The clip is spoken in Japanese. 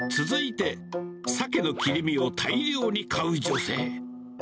続いて、サケの切り身を大量に買う女性。